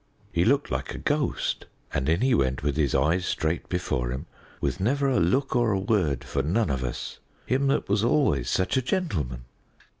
He looked like a ghost, and in he went with his eyes straight before him, with never a look or a word for none of us; him that was always such a gentleman!"